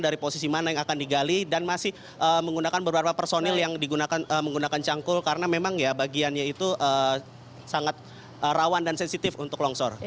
dari posisi mana yang akan digali dan masih menggunakan beberapa personil yang digunakan menggunakan cangkul karena memang ya bagiannya itu sangat rawan dan sensitif untuk longsor